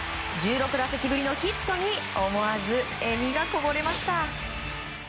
１６打席ぶりのヒットに思わず、笑みがこぼれました。